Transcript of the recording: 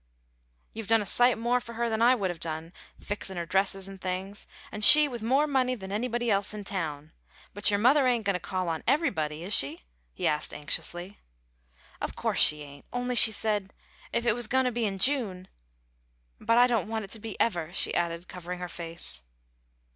"You've done a sight more for her than I would have done, fixin' her dresses and things, and she with more money than anybody else in town. But your mother ain't going to call on everybody, is she?" he asked, anxiously. "Of course she ain't. Only she said, if it was going to be in June but I don't want it to be ever," she added, covering her face.